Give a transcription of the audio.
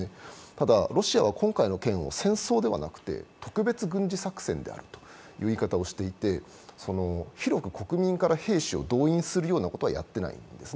ただロシアは今回の件を戦争ではなくて特別軍事作戦であるという言い方をしていて、広く国民から兵士を動員するようなことはやっていないんです。